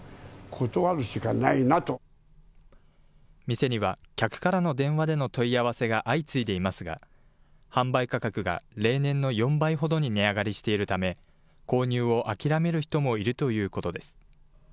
店には客からの電話での問い合わせが相次いでいますが、販売価格が例年の４倍ほどに値上がりしているため、購入を諦める人もいるということです。